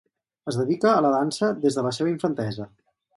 Es dedica a la dansa des de la seva infantesa.